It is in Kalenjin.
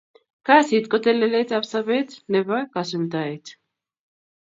kasit ko telelet ap saber Nepo kasultaet